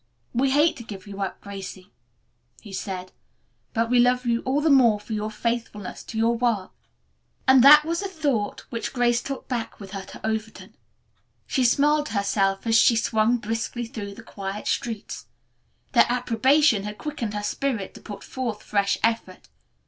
"We hate to give you up, Gracie," he said, "but we love you all the more for your faithfulness to your work." And that was the thought which Grace took back with her to Overton. She smiled to herself as she swung briskly through the quiet streets. Their approbation had quickened her spirit to put forth fresh effort.